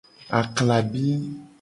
Aklabi.